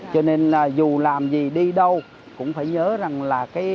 cho nên là dù làm gì đi đâu cũng phải nhớ rằng là cái